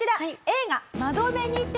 映画『窓辺にて』。